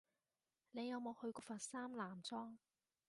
你有冇去過佛山南莊？